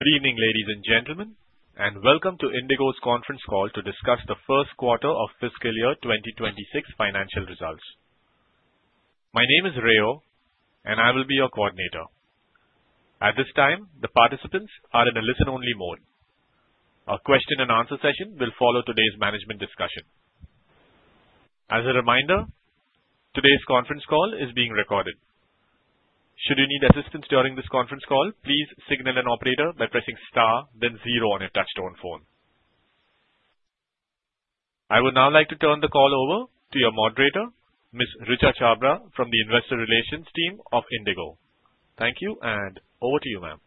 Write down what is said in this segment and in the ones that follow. Good evening, ladies and gentlemen, and welcome to IndiGo's conference call to discuss the first quarter of fiscal year 2026 financial results. My name is Reo, and I will be your coordinator. At this time, the participants are in a listen-only mode. A question-and-answer session will follow today's management discussion. As a reminder, today's conference call is being recorded. Should you need assistance during this conference call, please signal an operator by pressing star, then zero on your touch-tone phone. I would now like to turn the call over to your moderator, Ms. Richa Chhabra, from the Investor Relations Team of IndiGo. Thank you, and over to you, ma'am.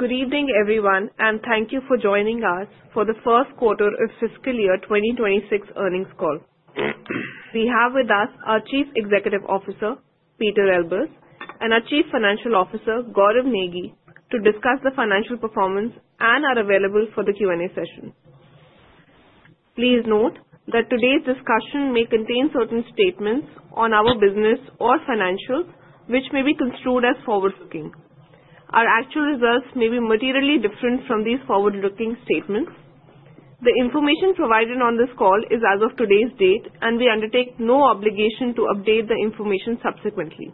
Good evening, everyone, and thank you for joining us for the first quarter of fiscal year 2026 earnings call. We have with us our Chief Executive Officer, Pieter Elbers, and our Chief Financial Officer, Gaurav Negi, to discuss the financial performance and are available for the Q&A session. Please note that today's discussion may contain certain statements on our business or financials, which may be construed as forward-looking. Our actual results may be materially different from these forward-looking statements. The information provided on this call is as of today's date, and we undertake no obligation to update the information subsequently.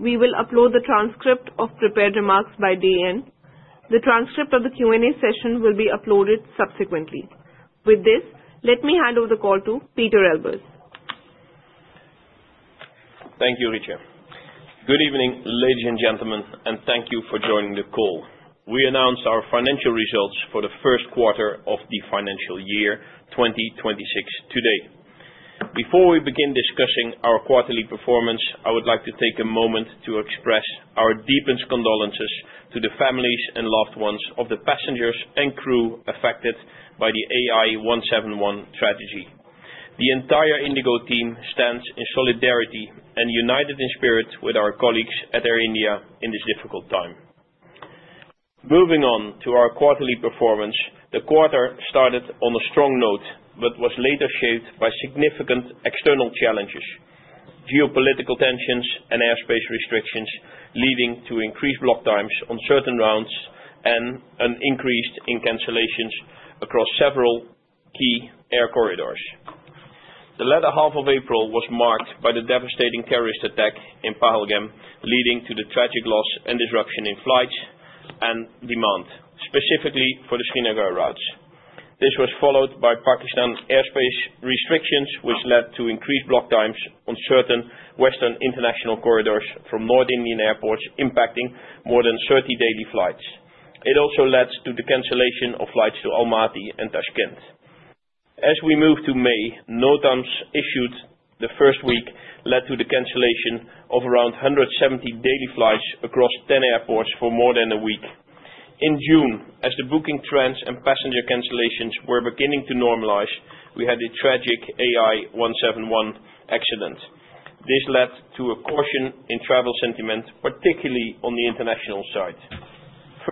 We will upload the transcript of prepared remarks by day end. The transcript of the Q&A session will be uploaded subsequently. With this, let me hand over the call to Pieter Elbers. Thank you, Richa. Good evening, ladies and gentlemen, and thank you for joining the call. We announce our financial results for the first quarter of the financial year 2026 today. Before we begin discussing our quarterly performance, I would like to take a moment to express our deepest condolences to the families and loved ones of the passengers and crew affected by the AI-171 tragedy. The entire IndiGo team stands in solidarity and united in spirit with our colleagues at Air India in this difficult time. Moving on to our quarterly performance, the quarter started on a strong note but was later shaped by significant external challenges: geopolitical tensions and airspace restrictions leading to increased block times on certain routes and an increase in cancellations across several key air corridors. The latter half of April was marked by the devastating terrorist attack in Pahalgam, leading to the tragic loss and disruption in flights and demand, specifically for the Srinagar routes. This was followed by Pakistan airspace restrictions, which led to increased block times on certain Western international corridors from North Indian airports, impacting more than 30 daily flights. It also led to the cancellation of flights to Almaty and Tashkent. As we move to May, NOTAMs issued the first week led to the cancellation of around 170 daily flights across 10 airports for more than a week. In June, as the booking trends and passenger cancellations were beginning to normalize, we had the tragic AI-171 accident. This led to a caution in travel sentiment, particularly on the international side.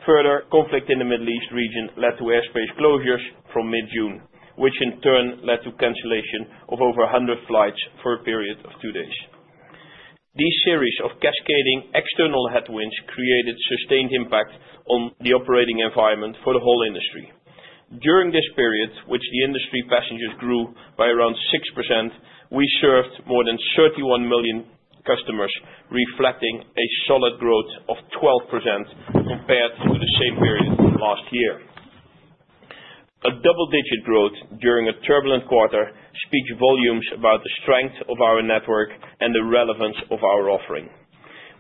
Further conflict in the Middle East region led to airspace closures from mid-June, which in turn led to cancellation of over 100 flights for a period of two days. This series of cascading external headwinds created sustained impact on the operating environment for the whole industry. During this period, while the industry passengers grew by around 6%, we served more than 31 million customers, reflecting a solid growth of 12% compared to the same period last year. A double-digit growth during a turbulent quarter speaks volumes about the strength of our network and the relevance of our offering.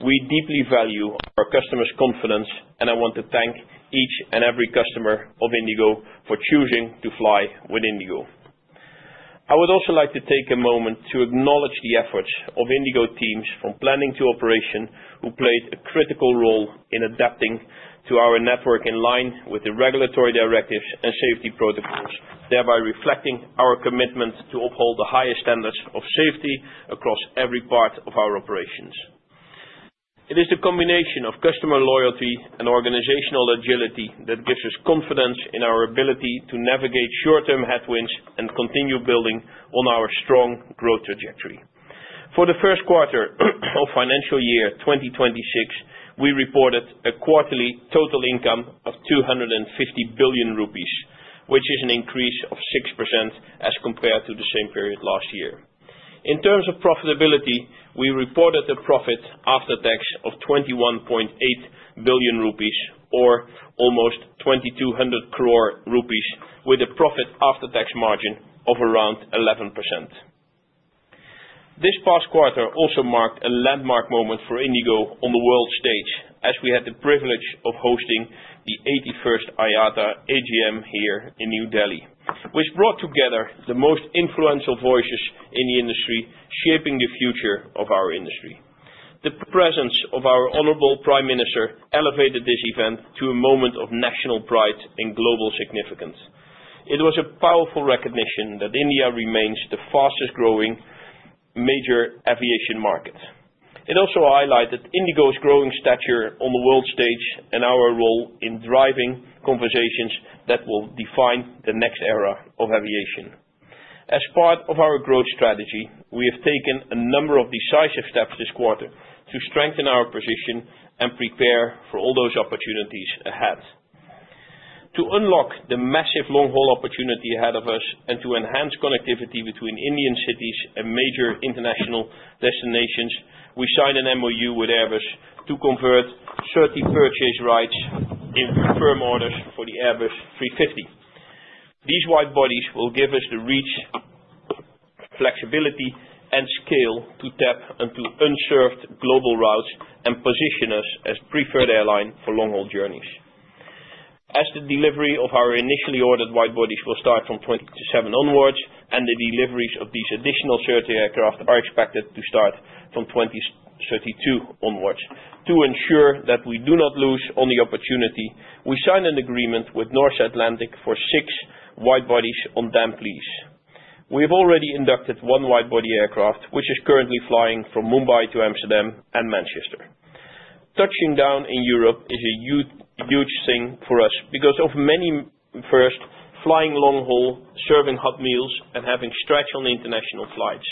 We deeply value our customers' confidence, and I want to thank each and every customer of IndiGo for choosing to fly with IndiGo. I would also like to take a moment to acknowledge the efforts of IndiGo teams from planning to operation, who played a critical role in adapting to our network in line with the regulatory directives and safety protocols, thereby reflecting our commitment to uphold the highest standards of safety across every part of our operations. It is the combination of customer loyalty and organizational agility that gives us confidence in our ability to navigate short-term headwinds and continue building on our strong growth trajectory. For the first quarter of financial year 2026, we reported a quarterly total income of 250 billion rupees, which is an increase of 6% as compared to the same period last year. In terms of profitability, we reported a profit after tax of 21.8 billion rupees, or almost 2,200 crore rupees, with a profit after tax margin of around 11%. This past quarter also marked a landmark moment for IndiGo on the world stage, as we had the privilege of hosting the 81st IATA AGM here in New Delhi, which brought together the most influential voices in the industry, shaping the future of our industry. The presence of our Honorable Prime Minister elevated this event to a moment of national pride and global significance. It was a powerful recognition that India remains the fastest-growing major aviation market. It also highlighted IndiGo's growing stature on the world stage and our role in driving conversations that will define the next era of aviation. As part of our growth strategy, we have taken a number of decisive steps this quarter to strengthen our position and prepare for all those opportunities ahead. To unlock the massive long-haul opportunity ahead of us and to enhance connectivity between Indian cities and major international destinations, we signed an MoU with Airbus to convert 30 purchase rights in firm orders for the Airbus A350. These widebodies will give us the reach, flexibility, and scale to tap into unserved global routes and position us as a preferred airline for long-haul journeys. As the delivery of our initially ordered widebodies will start from 2037 onwards, and the deliveries of these additional 30 aircraft are expected to start from 2032 onwards, to ensure that we do not lose on the opportunity, we signed an agreement with North Atlantic for six widebodies on damp lease. We have already inducted one widebody aircraft, which is currently flying from Mumbai to Amsterdam and Manchester. Touching down in Europe is a huge thing for us because of many, first, flying long-haul, serving hot meals, and having stretch on the international flights.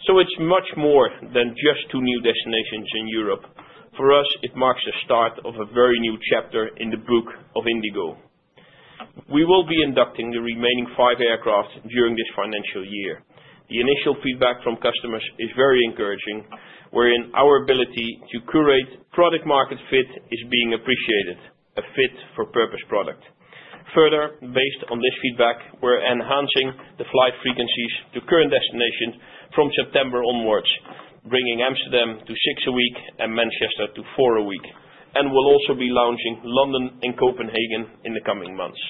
It is much more than just two new destinations in Europe. For us, it marks the start of a very new chapter in the book of IndiGo. We will be inducting the remaining five aircraft during this financial year. The initial feedback from customers is very encouraging, wherein our ability to curate product-market fit is being appreciated, a fit-for-purpose product. Further, based on this feedback, we are enhancing the flight frequencies to current destinations from September onwards, bringing Amsterdam to six a week and Manchester to four a week, and we will also be launching London and Copenhagen in the coming months.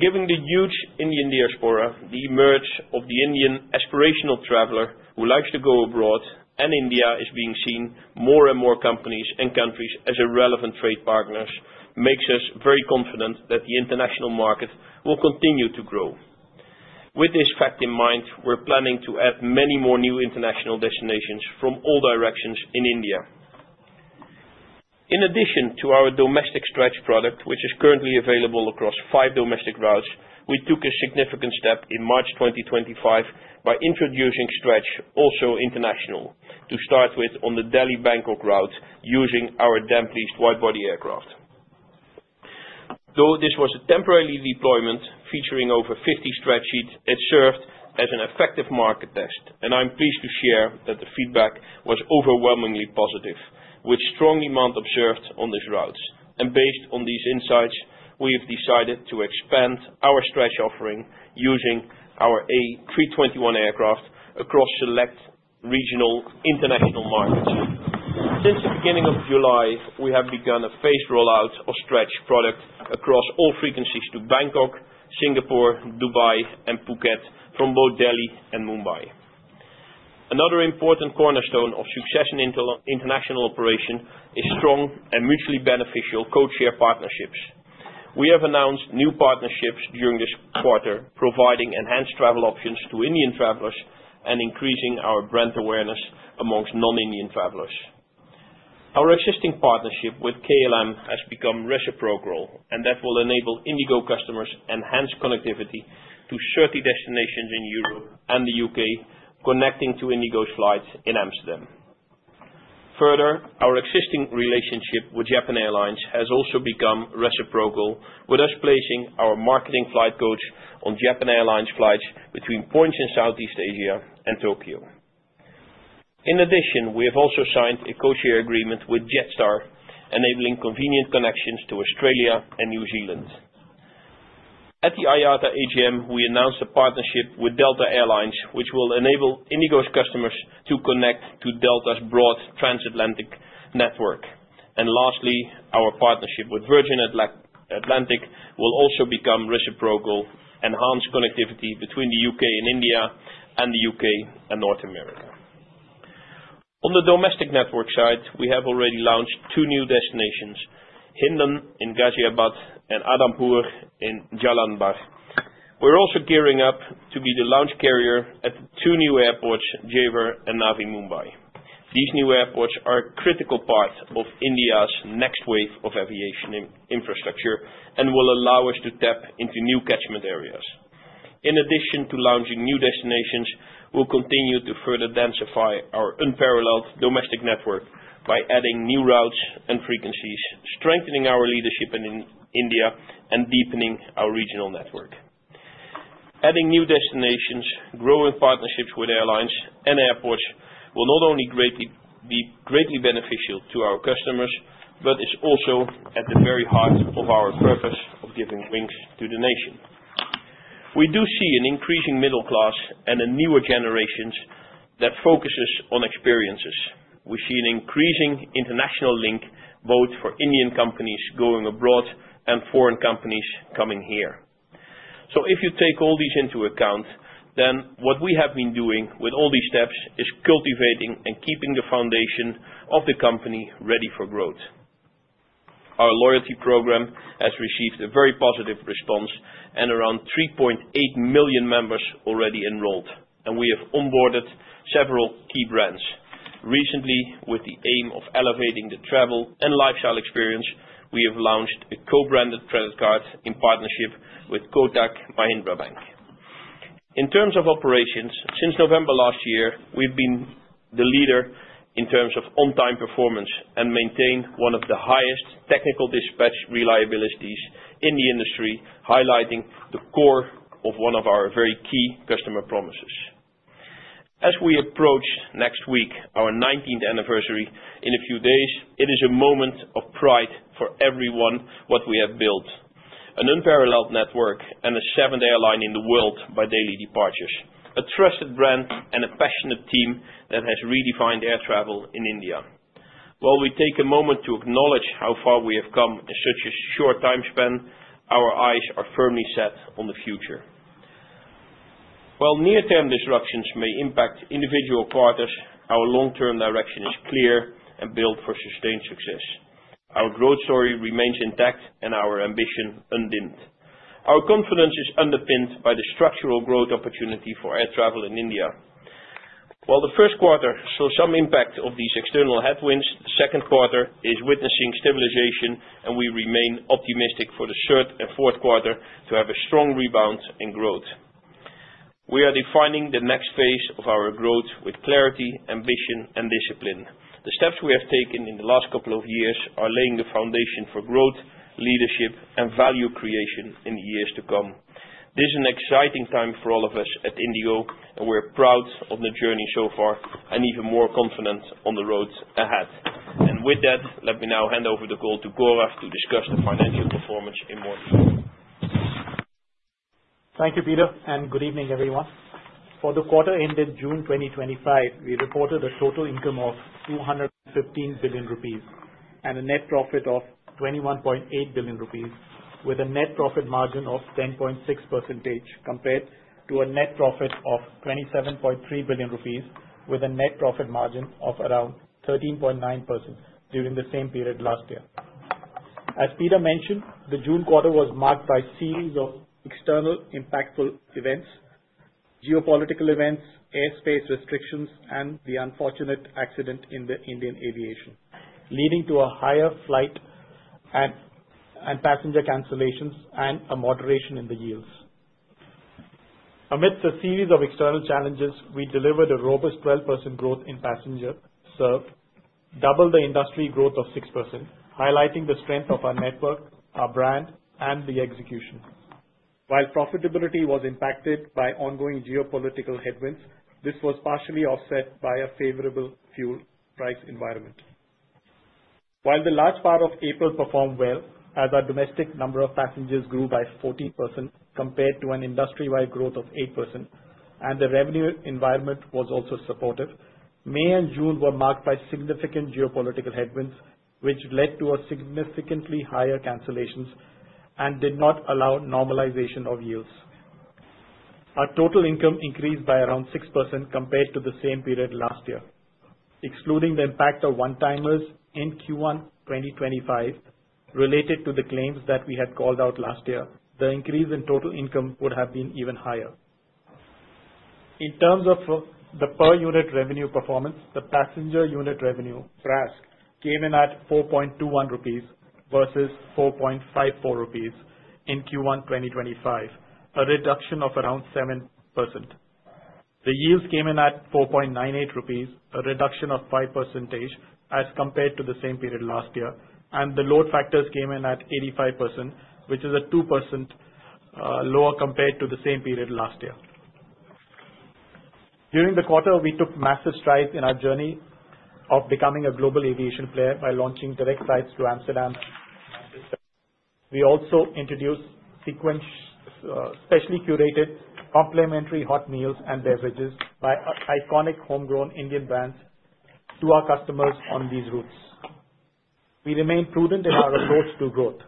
Given the huge Indian diaspora, the emerge of the Indian aspirational traveler who likes to go abroad, and India is being seen by more and more companies and countries as relevant trade partners, makes us very confident that the international market will continue to grow. With this fact in mind, we are planning to add many more new international destinations from all directions in India. In addition to our domestic stretch product, which is currently available across five domestic routes, we took a significant step in March 2025 by introducing stretch, also international, to start with on the Delhi-Bangkok route using our damp lease widebody aircraft. Though this was a temporary deployment featuring over 50 stretch seats, it served as an effective market test, and I am pleased to share that the feedback was overwhelmingly positive, with strong demand observed on these routes. Based on these insights, we have decided to expand our stretch offering using our A321 aircraft across select regional international markets. Since the beginning of July, we have begun a phased rollout of stretch product across all frequencies to Bangkok, Singapore, Dubai, and Phuket from both Delhi and Mumbai. Another important cornerstone of success in international operation is strong and mutually beneficial codeshare partnerships. We have announced new partnerships during this quarter, providing enhanced travel options to Indian travelers and increasing our brand awareness amongst non-Indian travelers. Our existing partnership with KLM has become reciprocal, and that will enable IndiGo customers' enhanced connectivity to 30 destinations in Europe and the U.K., connecting to IndiGo's flights in Amsterdam. Further, our existing relationship with Japan Airlines has also become reciprocal, with us placing our marketing flight codes on Japan Airlines flights between points in Southeast Asia and Tokyo. In addition, we have also signed a codeshare agreement with Jetstar, enabling convenient connections to Australia and New Zealand. At the IATA AGM, we announced a partnership with Delta Air Lines, which will enable IndiGo's customers to connect to Delta's broad transatlantic network. Lastly, our partnership with Virgin Atlantic will also become reciprocal, enhancing connectivity between the U.K. and India and the U.K. and North America. On the domestic network side, we have already launched two new destinations: Hindon in Ghaziabad and Adampur in Jalandhar. We are also gearing up to be the lounge carrier at two new airports, Jewar and Navi Mumbai. These new airports are a critical part of India's next wave of aviation infrastructure and will allow us to tap into new catchment areas. In addition to launching new destinations, we will continue to further densify our unparalleled domestic network by adding new routes and frequencies, strengthening our leadership in India, and deepening our regional network. Adding new destinations, growing partnerships with airlines and airports will not only be greatly beneficial to our customers, but is also at the very heart of our purpose of giving wings to the nation. We do see an increasing middle class and a newer generation that focuses on experiences. We see an increasing international link, both for Indian companies going abroad and foreign companies coming here. If you take all these into account, then what we have been doing with all these steps is cultivating and keeping the foundation of the company ready for growth. Our loyalty program has received a very positive response and around 3.8 million members are already enrolled, and we have onboarded several key brands. Recently, with the aim of elevating the travel and lifestyle experience, we have launched a co-branded credit card in partnership with Kotak Mahindra Bank. In terms of operations, since November last year, we have been the leader in terms of on-time performance and maintained one of the highest technical dispatch reliabilities in the industry, highlighting the core of one of our very key customer promises. As we approach next week, our 19th anniversary, in a few days, it is a moment of pride for everyone what we have built: an unparalleled network and the seventh airline in the world by daily departures, a trusted brand, and a passionate team that has redefined air travel in India. While we take a moment to acknowledge how far we have come in such a short time span, our eyes are firmly set on the future. While near-term disruptions may impact individual quarters, our long-term direction is clear and built for sustained success. Our growth story remains intact and our ambition undimmed. Our confidence is underpinned by the structural growth opportunity for air travel in India. While the first quarter saw some impact of these external headwinds, the second quarter is witnessing stabilization, and we remain optimistic for the third and fourth quarter to have a strong rebound and growth. We are defining the next phase of our growth with clarity, ambition, and discipline. The steps we have taken in the last couple of years are laying the foundation for growth, leadership, and value creation in the years to come. This is an exciting time for all of us at IndiGo, and we're proud of the journey so far and even more confident on the roads ahead. With that, let me now hand over the call to Gaurav to discuss the financial performance in more detail. Thank you, Pieter, and good evening, everyone. For the quarter-ended June 2025, we reported a total income of 215 billion rupees and a net profit of 21.8 billion rupees, with a net profit margin of 10.6% compared to a net profit of 27.3 billion rupees, with a net profit margin of around 13.9% during the same period last year. As Pieter mentioned, the June quarter was marked by a series of external impactful events, geopolitical events, airspace restrictions, and the unfortunate accident in Indian aviation, leading to higher flight and passenger cancellations and a moderation in the yields. Amidst a series of external challenges, we delivered a robust 12% growth in passengers served, double the industry growth of 6%, highlighting the strength of our network, our brand, and the execution. While profitability was impacted by ongoing geopolitical headwinds, this was partially offset by a favorable fuel price environment. While the last part of April performed well, as our domestic number of passengers grew by 14% compared to an industry-wide growth of 8%, and the revenue environment was also supportive, May and June were marked by significant geopolitical headwinds, which led to significantly higher cancellations and did not allow normalization of yields. Our total income increased by around 6% compared to the same period last year. Excluding the impact of one-timers in Q1 2025 related to the claims that we had called out last year, the increase in total income would have been even higher. In terms of the per-unit revenue performance, the passenger unit revenue, RASK, came in at 4.21 rupees versus 4.54 rupees in Q1 2025, a reduction of around 7%. The yields came in at 4.98 rupees, a reduction of 5% as compared to the same period last year, and the load factors came in at 85%, which is a 2% lower compared to the same period last year. During the quarter, we took massive strides in our journey of becoming a global aviation player by launching direct flights to Amsterdam. We also introduced specially curated complimentary hot meals and beverages by iconic homegrown Indian brands to our customers on these routes. We remain prudent in our approach to growth.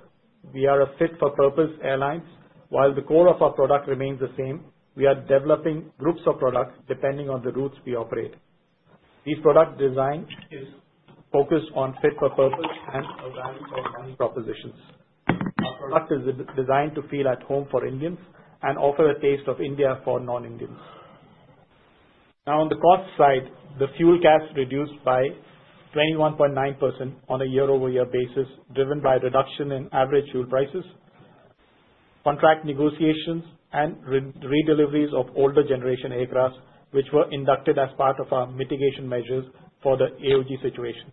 We are a fit-for-purpose airline. While the core of our product remains the same, we are developing groups of products depending on the routes we operate. The product design is focused on fit-for-purpose and a value-for-money proposition. Our product is designed to feel at home for Indians and offer a taste of India for non-Indians. Now, on the cost side, the fuel caps reduced by 21.9% on a year-over-year basis, driven by reduction in average fuel prices, contract negotiations, and redeliveries of older generation aircraft, which were inducted as part of our mitigation measures for the AOG situation.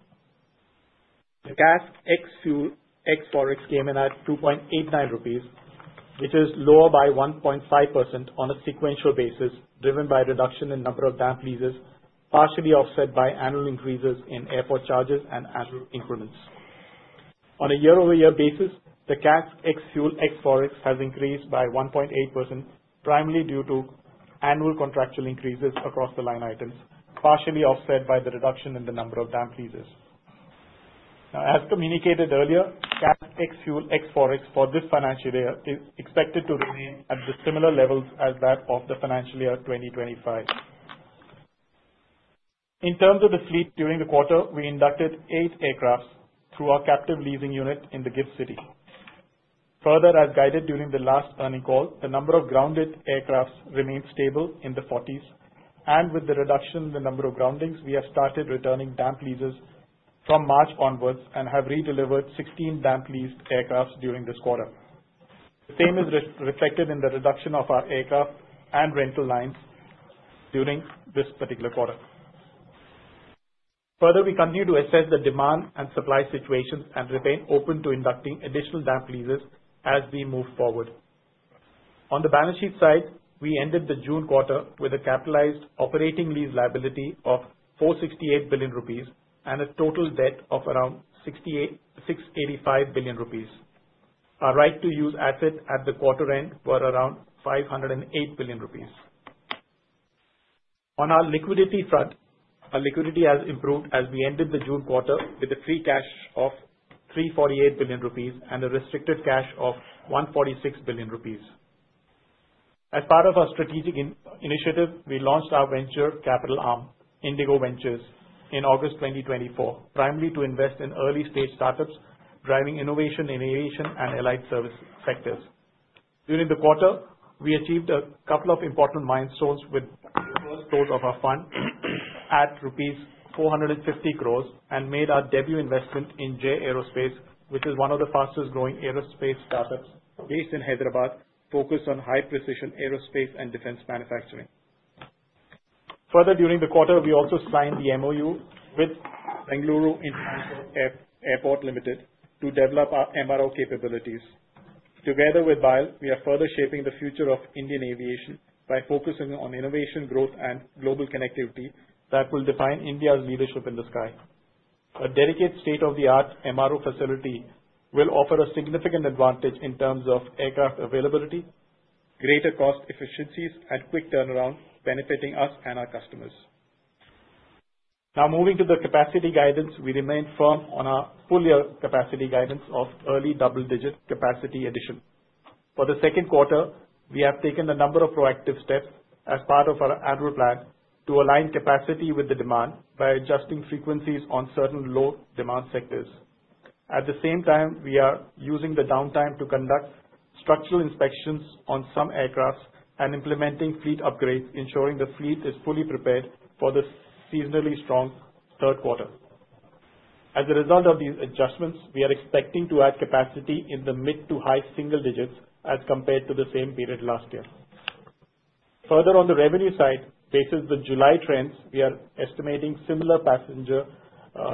The CASK ex fuel ex forex came in at 2.89 rupees, which is lower by 1.5% on a sequential basis, driven by reduction in number of damp leases, partially offset by annual increases in airport charges and annual increments. On a year-over-year basis, the CASK ex fuel ex forex has increased by 1.8%, primarily due to annual contractual increases across the line items, partially offset by the reduction in the number of damp leases. Now, as communicated earlier, CASK ex fuel ex forex for this financial year is expected to remain at the similar levels as that of the financial year 2025. In terms of the fleet during the quarter, we inducted eight aircraft through our captive leasing unit in the GIFT City. Further, as guided during the last earning call, the number of grounded aircraft remained stable in the 40s, and with the reduction in the number of groundings, we have started returning damp leases from March onwards and have redelivered 16 damp leased aircraft during this quarter. The same is reflected in the reduction of our aircraft and rental lines during this particular quarter. Further, we continue to assess the demand and supply situations and remain open to inducting additional damp leases as we move forward. On the balance sheet side, we ended the June quarter with a capitalized operating lease liability of 468 billion rupees and a total debt of around 685 billion rupees. Our right-of-use asset at the quarter end was around 508 billion rupees. On our liquidity front, our liquidity has improved as we ended the June quarter with a free cash of 348 billion rupees and a restricted cash of 146 billion rupees. As part of our strategic initiative, we launched our venture capital arm, IndiGo Ventures, in August 2024, primarily to invest in early-stage startups driving innovation in aviation and allied service sectors. During the quarter, we achieved a couple of important milestones with the first close of our fund at rupees 4.5 billion and made our debut investment in JAI Aerospace, which is one of the fastest-growing aerospace startups based in Hyderabad, focused on high-precision aerospace and defense manufacturing. Further, during the quarter, we also signed the MOU with Bengaluru International Airport Limited to develop our MRO capabilities. Together with BIAL, we are further shaping the future of Indian aviation by focusing on innovation, growth, and global connectivity that will define India's leadership in the sky. A dedicated state-of-the-art MRO facility will offer a significant advantage in terms of aircraft availability, greater cost efficiencies, and quick turnaround, benefiting us and our customers. Now, moving to the capacity guidance, we remain firm on our full-year capacity guidance of early double-digit capacity addition. For the second quarter, we have taken a number of proactive steps as part of our adverse plan to align capacity with the demand by adjusting frequencies on certain low-demand sectors. At the same time, we are using the downtime to conduct structural inspections on some aircraft and implementing fleet upgrades, ensuring the fleet is fully prepared for the seasonally strong third quarter. As a result of these adjustments, we are expecting to add capacity in the mid to high single digits as compared to the same period last year. Further, on the revenue side, based on the July trends, we are estimating similar passenger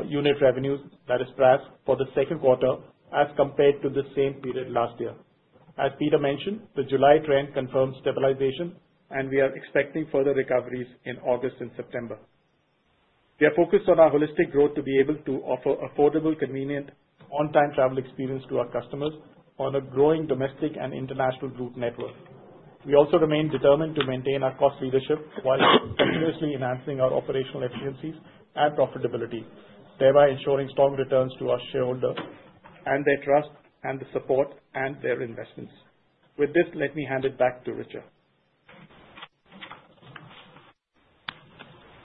unit revenues that are priced for the second quarter as compared to the same period last year. As Pieter mentioned, the July trend confirms stabilization, and we are expecting further recoveries in August and September. We are focused on our holistic growth to be able to offer affordable, convenient, on-time travel experience to our customers on a growing domestic and international group network. We also remain determined to maintain our cost leadership while continuously enhancing our operational efficiencies and profitability, thereby ensuring strong returns to our shareholders and their trust and the support and their investments. With this, let me hand it back to Richa.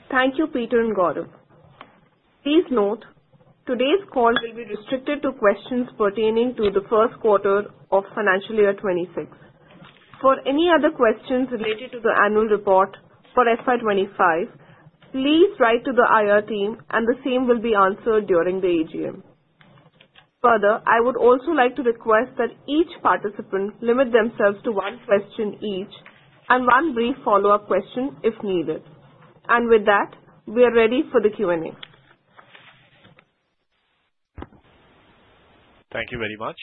Thank you, Pieter and Gaurav. Please note, today's call will be restricted to questions pertaining to the first quarter of financial year 2026. For any other questions related to the annual report for FY25, please write to the IR team, and the same will be answered during the AGM. Further, I would also like to request that each participant limit themselves to one question each and one brief follow-up question if needed. With that, we are ready for the Q&A. Thank you very much.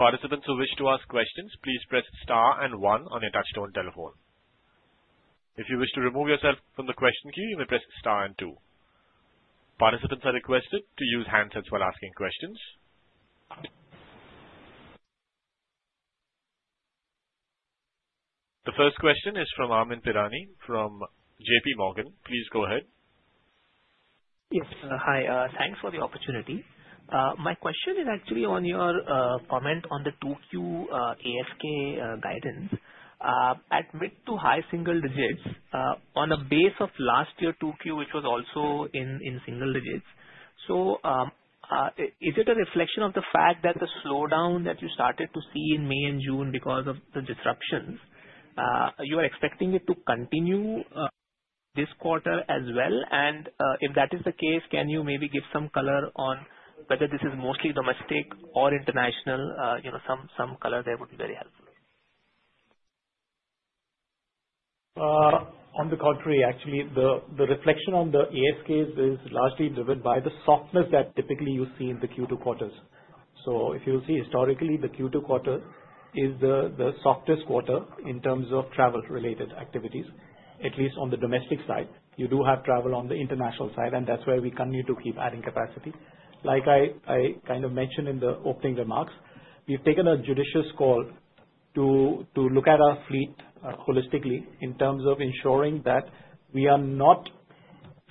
Participants who wish to ask questions, please press star and one on your touch-tone telephone. If you wish to remove yourself from the question queue, you may press star and two. Participants are requested to use handsets while asking questions. The first question is from Amyn Pirani from JPMorgan. Please go ahead. Yes, hi. Thanks for the opportunity. My question is actually on your comment on the 2Q ASK guidance. At mid to high single digits, on a base of last year 2Q, which was also in single digits. Is it a reflection of the fact that the slowdown that you started to see in May and June because of the disruptions? You are expecting it to continue this quarter as well. If that is the case, can you maybe give some color on whether this is mostly domestic or international? Some color there would be very helpful. On the contrary, actually, the reflection on the ASKs is largely driven by the softness that typically you see in the Q2 quarters. If you see historically, the Q2 quarter is the softest quarter in terms of travel-related activities, at least on the domestic side. You do have travel on the international side, and that's where we continue to keep adding capacity. Like I kind of mentioned in the opening remarks, we've taken a judicious call to look at our fleet holistically in terms of ensuring that we are not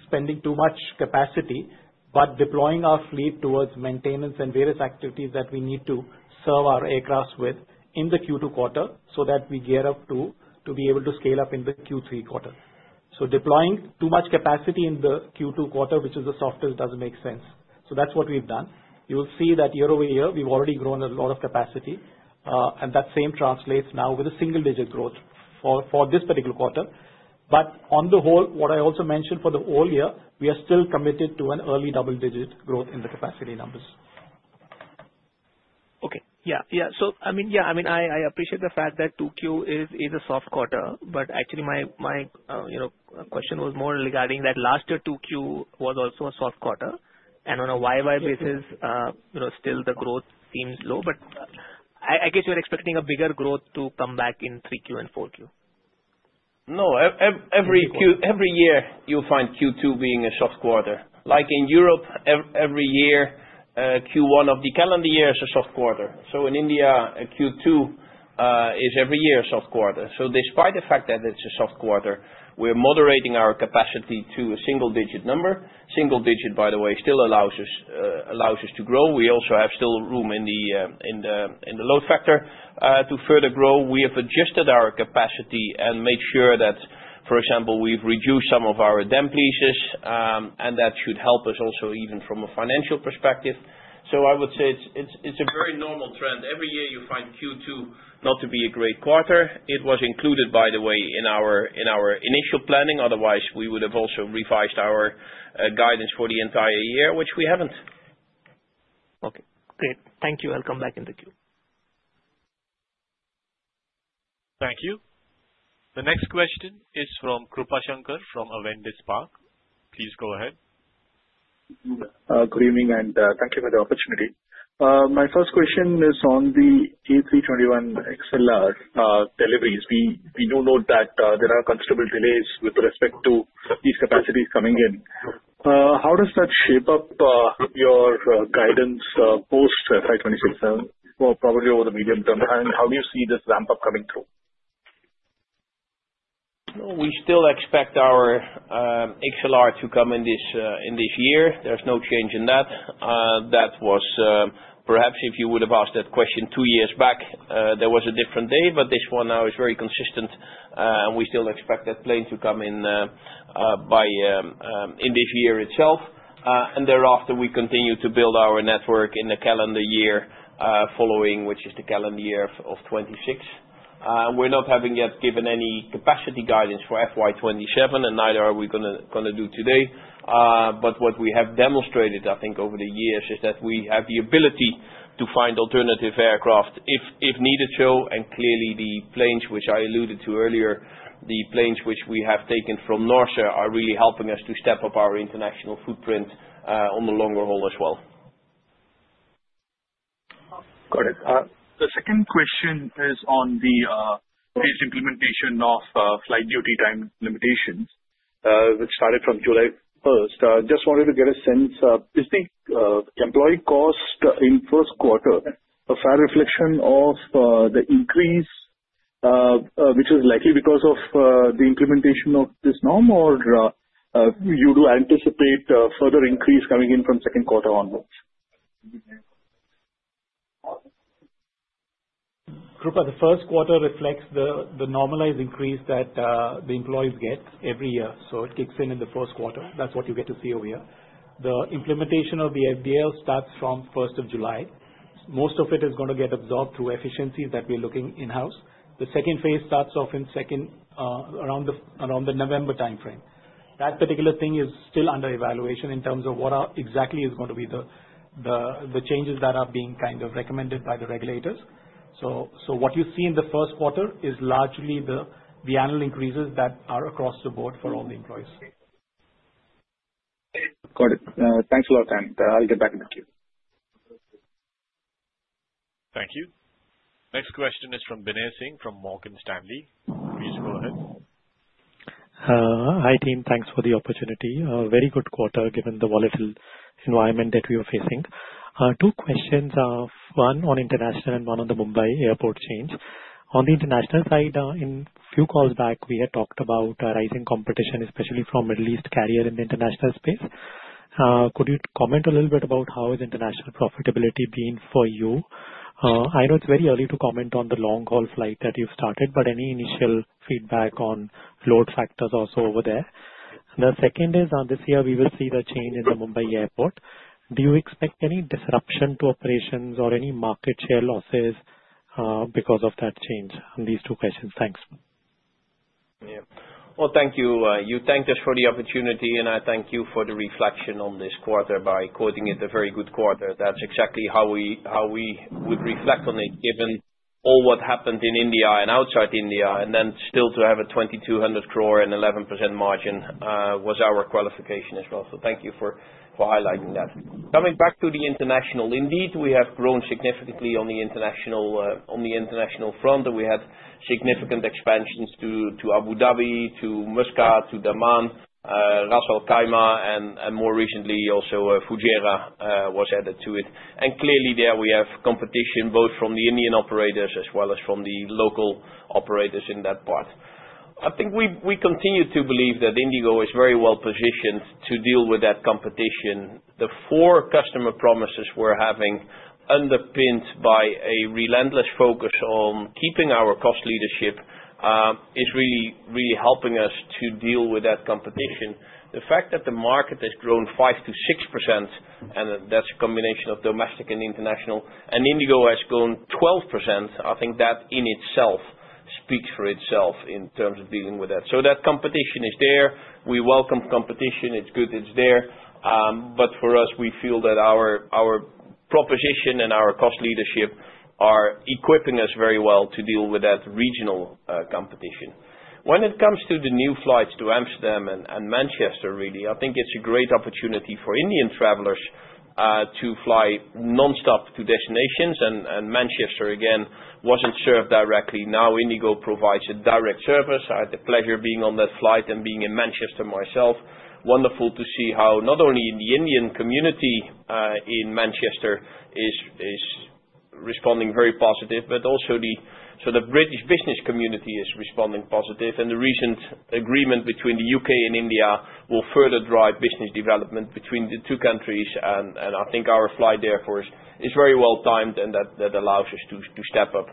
spending too much capacity but deploying our fleet towards maintenance and various activities that we need to serve our aircraft with in the Q2 quarter so that we gear up to be able to scale up in the Q3 quarter. Deploying too much capacity in the Q2 quarter, which is the softest, doesn't make sense. That's what we've done. You'll see that year over year, we've already grown a lot of capacity. That same translates now with a single-digit growth for this particular quarter. On the whole, what I also mentioned for the whole year, we are still committed to an early double-digit growth in the capacity numbers. Okay. Yeah. Yeah. I mean, yeah, I mean, I appreciate the fact that 2Q is a soft quarter, but actually, my question was more regarding that last year 2Q was also a soft quarter. On a YY basis, still, the growth seems low, but I guess you're expecting a bigger growth to come back in 3Q and 4Q. No, every year you'll find Q2 being a soft quarter. Like in Europe, every year, Q1 of the calendar year is a soft quarter. In India, Q2 is every year a soft quarter. Despite the fact that it's a soft quarter, we're moderating our capacity to a single-digit number. Single digit, by the way, still allows us to grow. We also have still room in the load factor to further grow. We have adjusted our capacity and made sure that, for example, we've reduced some of our damp leases, and that should help us also even from a financial perspective. I would say it's a very normal trend. Every year, you find Q2 not to be a great quarter. It was included, by the way, in our initial planning. Otherwise, we would have also revised our guidance for the entire year, which we haven't. Okay. Great. Thank you. I'll come back in the queue. Thank you. The next question is from Krupashankar from Avendus Spark. Please go ahead. Good evening and thank you for the opportunity. My first question is on the A321XLR deliveries. We do note that there are considerable delays with respect to these capacities coming in. How does that shape up your guidance post FY2026? Probably over the medium term. How do you see this ramp-up coming through? We still expect our XLR to come in this year. There is no change in that. Perhaps if you would have asked that question two years back, there was a different day, but this one now is very consistent, and we still expect that plane to come in this year itself. Thereafter, we continue to build our network in the calendar year following, which is the calendar year of 2026. We have not yet given any capacity guidance for FY2027, and neither are we going to do today. What we have demonstrated, I think, over the years is that we have the ability to find alternative aircraft if needed. Clearly, the planes which I alluded to earlier, the planes which we have taken from North Atlantic are really helping us to step up our international footprint on the longer haul as well. Got it. The second question is on the implementation of flight duty time limitations, which started from July 1. Just wanted to get a sense, is the employee cost in first quarter a fair reflection of the increase which is likely because of the implementation of this norm, or do you anticipate a further increase coming in from second quarter onwards? Krupa, the first quarter reflects the normalized increase that the employees get every year. It kicks in in the first quarter. That is what you get to see over here. The implementation of the FDL starts from July 1. Most of it is going to get absorbed through efficiencies that we are looking in-house. The second phase starts off around the November timeframe. That particular thing is still under evaluation in terms of what exactly is going to be the changes that are being kind of recommended by the regulators. What you see in the first quarter is largely the annual increases that are across the board for all the employees. Got it. Thanks a lot, and I will get back in the queue. Thank you. Next question is from Binay Singh from Morgan Stanley. Please go ahead. Hi, team. Thanks for the opportunity. Very good quarter given the volatile environment that we are facing. Two questions, one on international and one on the Mumbai airport change. On the international side, in a few calls back, we had talked about rising competition, especially from Middle East carrier in the international space. Could you comment a little bit about how is international profitability being for you? I know it's very early to comment on the long-haul flight that you've started, but any initial feedback on load factors also over there? The second is, this year, we will see the change in the Mumbai airport. Do you expect any disruption to operations or any market share losses because of that change? These two questions. Thanks. Thank you. You thanked us for the opportunity, and I thank you for the reflection on this quarter by quoting it a very good quarter. That's exactly how we would reflect on it, given all what happened in India and outside India. And then still to have a 2,200 crore and 11% margin was our qualification as well. Thank you for highlighting that. Coming back to the international, indeed, we have grown significantly on the international front. We had significant expansions to Abu Dhabi, to Muscat, to Dammam, Ras Al Khaimah, and more recently, also Fujairah was added to it. Clearly, there we have competition both from the Indian operators as well as from the local operators in that part. I think we continue to believe that IndiGo is very well positioned to deal with that competition. The four customer promises we're having, underpinned by a relentless focus on keeping our cost leadership, is really helping us to deal with that competition. The fact that the market has grown 5%-6%, and that's a combination of domestic and international, and IndiGo has grown 12%, I think that in itself speaks for itself in terms of dealing with that. That competition is there. We welcome competition. It's good it's there. For us, we feel that our proposition and our cost leadership are equipping us very well to deal with that regional competition. When it comes to the new flights to Amsterdam and Manchester, really, I think it's a great opportunity for Indian travelers to fly nonstop to destinations. Manchester, again, wasn't served directly. Now, IndiGo provides a direct service. I had the pleasure of being on that flight and being in Manchester myself. Wonderful to see how not only the Indian community in Manchester is responding very positive, but also the British business community is responding positive. The recent agreement between the U.K. and India will further drive business development between the two countries. I think our flight therefore is very well timed, and that allows us to step up.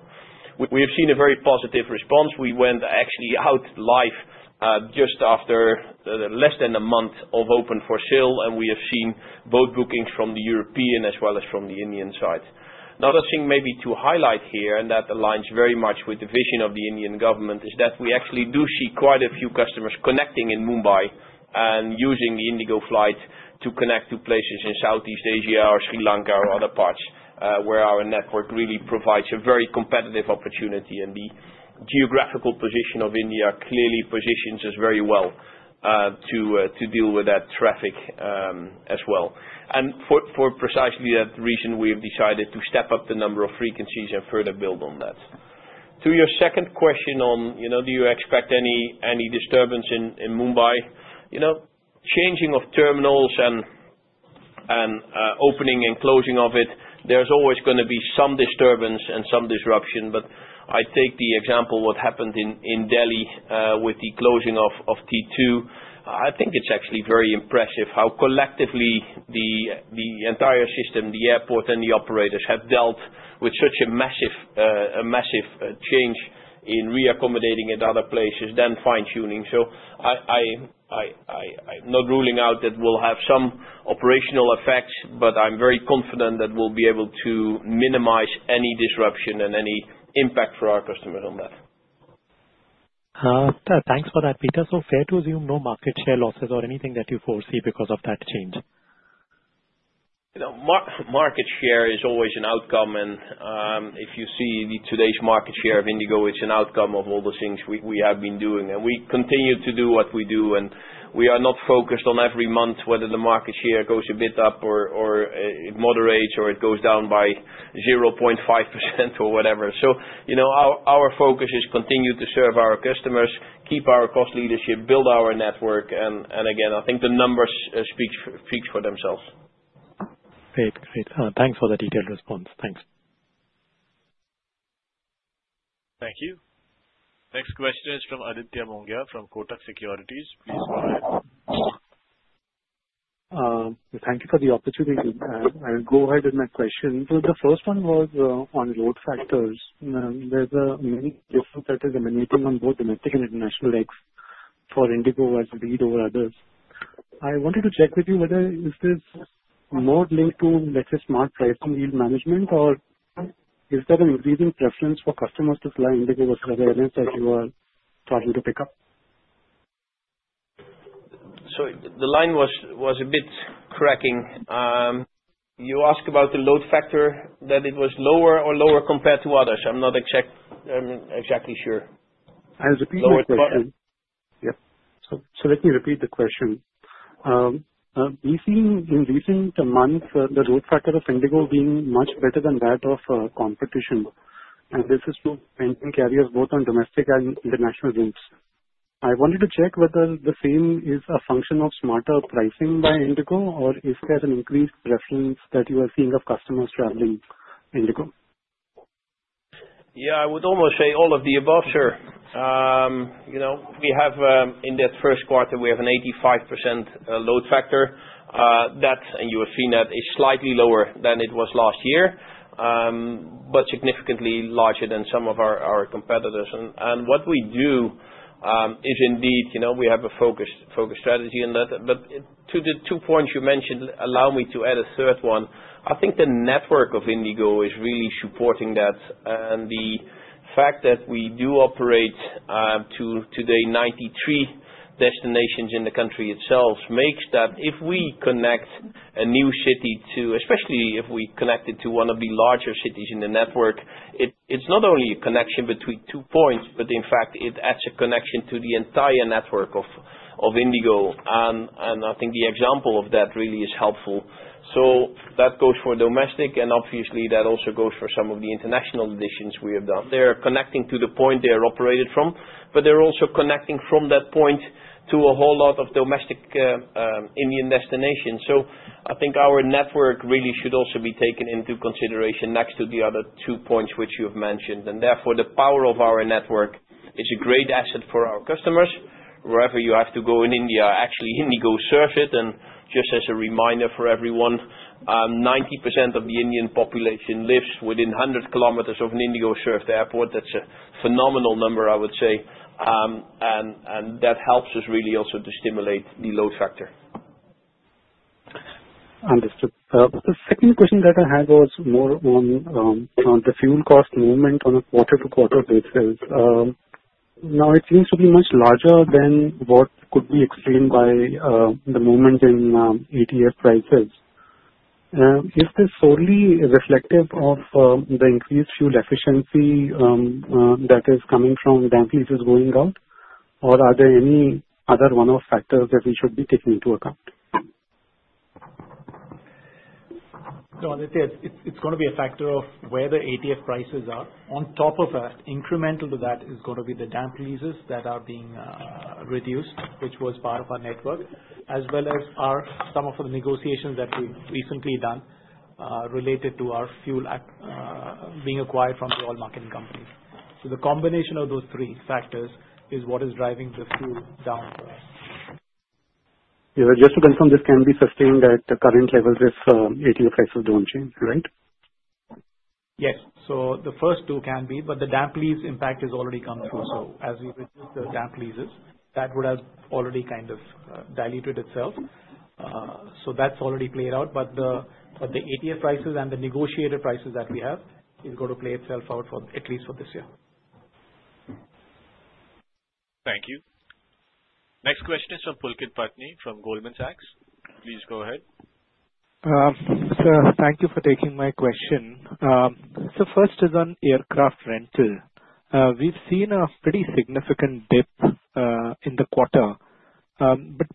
We have seen a very positive response. We went actually out live just after. Less than a month of open for sale, and we have seen both bookings from the European as well as from the Indian side. Another thing maybe to highlight here, and that aligns very much with the vision of the Indian government, is that we actually do see quite a few customers connecting in Mumbai and using the IndiGo flight to connect to places in Southeast Asia or Sri Lanka or other parts where our network really provides a very competitive opportunity. The geographical position of India clearly positions us very well to deal with that traffic as well. For precisely that reason, we have decided to step up the number of frequencies and further build on that. To your second question on, do you expect any disturbance in Mumbai? Changing of terminals and opening and closing of it, there's always going to be some disturbance and some disruption. I take the example of what happened in Delhi with the closing of T2. I think it's actually very impressive how collectively the entire system, the airport, and the operators have dealt with such a massive change in reaccommodating at other places than fine-tuning. I'm not ruling out that we'll have some operational effects, but I'm very confident that we'll be able to minimize any disruption and any impact for our customers on that. Thanks for that, Pieter. So fair to assume no market share losses or anything that you foresee because of that change? Market share is always an outcome. If you see today's market share of IndiGo, it's an outcome of all the things we have been doing. We continue to do what we do. We are not focused on every month whether the market share goes a bit up or it moderates or it goes down by 0.5% or whatever. Our focus is to continue to serve our customers, keep our cost leadership, build our network. Again, I think the numbers speak for themselves. Great. Great. Thanks for the detailed response. Thanks. Thank you. Next question is from Aditya Mongia from Kotak Securities. Please go ahead. Thank you for the opportunity. I will go ahead with my question. The first one was on load factors. There's many different factors emanating on both domestic and international legs for IndiGo as we lead over others. I wanted to check with you whether is this more linked to, let's say, smart pricing yield management, or. Is that an increasing preference for customers to fly IndiGo versus other areas that you are starting to pick up? The line was a bit cracking. You asked about the load factor, that it was lower or lower compared to others. I'm not exactly sure. I'll repeat the question. Yeah. Let me repeat the question. We've seen in recent months the load factor of IndiGo being much better than that of competition. This is true of carriers both on domestic and international routes. I wanted to check whether the same is a function of smarter pricing by IndiGo, or is there an increased preference that you are seeing of customers traveling IndiGo? Yeah, I would almost say all of the above, sir. In that first quarter, we have an 85% load factor. That, and you have seen that, is slightly lower than it was last year, but significantly larger than some of our competitors. What we do is indeed we have a focused strategy on that. To the two points you mentioned, allow me to add a third one. I think the network of IndiGo is really supporting that. The fact that we do operate to today 93 destinations in the country itself makes that if we connect a new city to, especially if we connect it to one of the larger cities in the network, it's not only a connection between two points, but in fact, it adds a connection to the entire network of IndiGo. I think the example of that really is helpful. That goes for domestic, and obviously, that also goes for some of the international additions we have done. They're connecting to the point they're operated from, but they're also connecting from that point to a whole lot of domestic Indian destinations. I think our network really should also be taken into consideration next to the other two points which you have mentioned. Therefore, the power of our network is a great asset for our customers. Wherever you have to go in India, actually, IndiGo serves it. Just as a reminder for everyone, 90% of the Indian population lives within 100 km of an IndiGo-served airport. That's a phenomenal number, I would say. That helps us really also to stimulate the load factor. Understood. The second question that I had was more on the fuel cost movement on a quarter-to-quarter basis. Now, it seems to be much larger than what could be explained by the movement in ATF prices. Is this solely reflective of the increased fuel efficiency. That is coming from damp leases going out, or are there any other one-off factors that we should be taking into account? No, it's going to be a factor of where the ATF prices are. On top of that, incremental to that is going to be the damp leases that are being reduced, which was part of our network, as well as some of the negotiations that we've recently done related to our fuel being acquired from the oil marketing companies. The combination of those three factors is what is driving the fuel down for us. Just to confirm, this can be sustained at the current levels if ATF prices don't change, right? Yes. The first two can be, but the damp lease impact has already come through. As we reduce the damp leases, that would have already kind of diluted itself. That's already played out. The ATF prices and the negotiated prices that we have are going to play itself out at least for this year. Thank you. Next question is from Pulkit Patni from Goldman Sachs. Please go ahead. Sir, thank you for taking my question. First is on aircraft rental. We've seen a pretty significant dip in the quarter.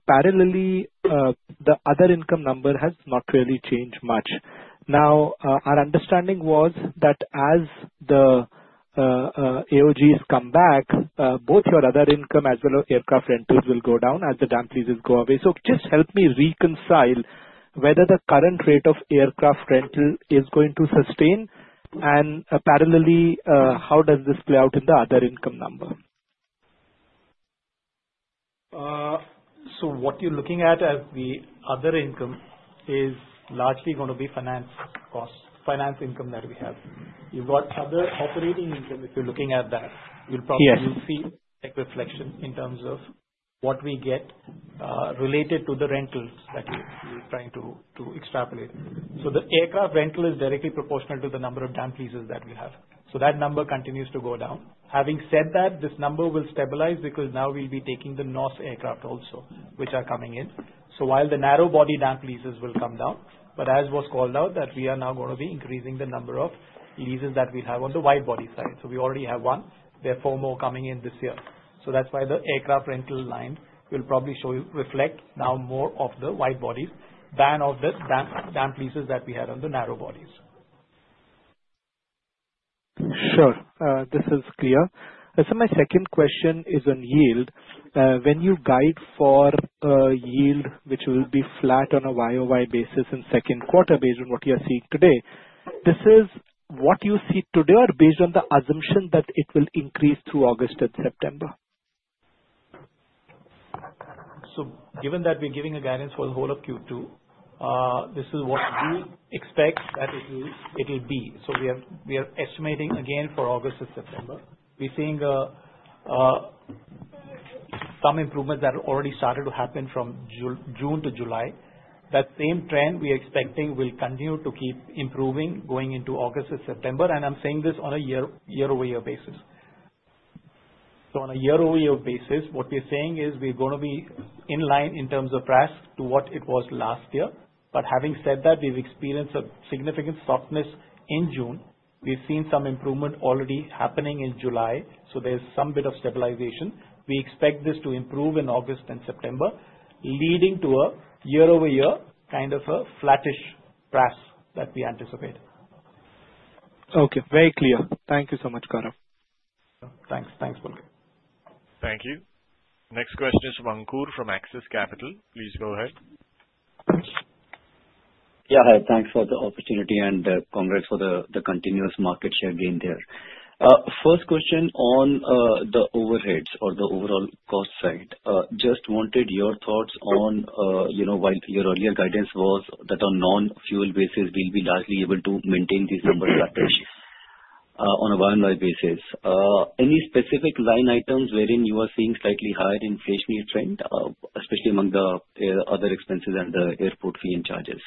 Parallelly, the other income number has not really changed much. Our understanding was that as the AOGs come back, both your other income as well as aircraft rentals will go down as the damp leases go away. Just help me reconcile whether the current rate of aircraft rental is going to sustain. Parallelly, how does this play out in the other income number? What you're looking at as the other income is largely going to be finance cost, finance income that we have. You've got other operating income. If you're looking at that, you'll probably see a reflection in terms of what we get related to the rentals that you're trying to extrapolate. The aircraft rental is directly proportional to the number of damp leases that we have. That number continues to go down. Having said that, this number will stabilize because now we'll be taking the NOS aircraft also, which are coming in. While the narrow-body damp leases will come down, as was called out, we are now going to be increasing the number of leases that we have on the wide-body side. We already have one. There are four more coming in this year. That's why the aircraft rental line will probably reflect now more of the wide bodies than of the damp leases that we had on the narrow bodies. Sure. This is clear. My second question is on yield. When you guide for. Yield, which will be flat on a YOY basis and second quarter based on what you are seeing today, this is what you see today or based on the assumption that it will increase through August and September? Given that we're giving a guidance for the whole of Q2, this is what we expect that it will be. We are estimating, again, for August and September. We're seeing some improvements that have already started to happen from June to July. That same trend we are expecting will continue to keep improving going into August and September. I'm saying this on a year-over-year basis. On a year-over-year basis, what we're saying is we're going to be in line in terms of price to what it was last year. Having said that, we've experienced a significant softness in June. We've seen some improvement already happening in July. There's some bit of stabilization. We expect this to improve in August and September, leading to a year-over-year kind of a flattish price that we anticipate. Okay. Very clear. Thank you so much, Gaurav. Thanks. Thanks, Pulkit. Thank you. Next question is from Ankur from Axis Capital. Please go ahead. Yeah. Hi. Thanks for the opportunity and congrats for the continuous market share gain there. First question on the overheads or the overall cost side. Just wanted your thoughts on, while your earlier guidance was that on non-fuel basis, we'll be largely able to maintain these numbers on a barn-like basis, any specific line items wherein you are seeing slightly higher inflationary trend, especially among the other expenses and the airport fee and charges?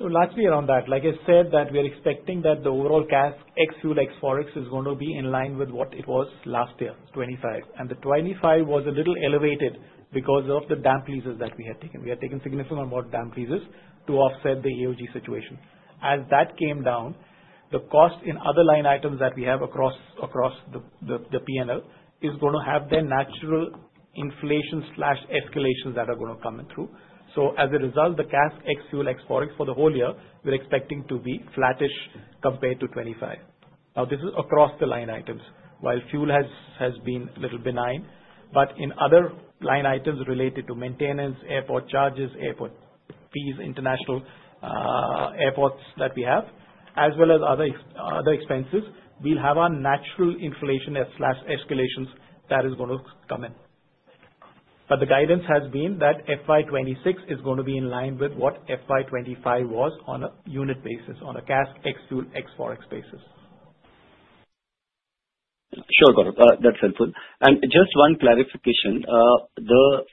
Largely around that. Like I said, we are expecting that the overall CASK ex fuel ex forex is going to be in line with what it was last year, 25. The 25 was a little elevated because of the damp leases that we had taken. We had taken significant amount of damp leases to offset the AOG situation. As that came down, the cost in other line items that we have across the P&L is going to have their natural inflation/escalations that are going to come through. As a result, the CASK ex fuel ex forex for the whole year, we're expecting to be flattish compared to 25. This is across the line items. While fuel has been a little benign, in other line items related to maintenance, airport charges, airport fees, international airports that we have, as well as other expenses, we'll have our natural inflation/escalations that is going to come in. But the guidance has been that FY 2026 is going to be in line with what FY 2025 was on a unit basis, on a CASK ex fuel ex forex basis. Sure, Gaurav. That's helpful. And just one clarification. The